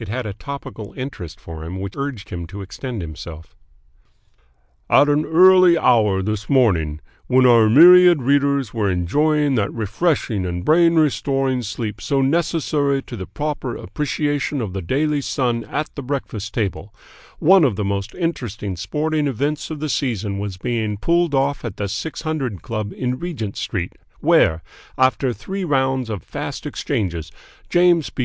It had a topical interest for him which urged him to extend himself. "At an early hour this morning, when our myriad readers were enjoying that refreshing and brain restoring sleep so necessary to the proper appreciation of the Daily Sun at the breakfast table, one of the most interesting sporting events of the season was being pulled off at the Six Hundred Club in Regent Street, where, after three rounds of fast exchanges, James B.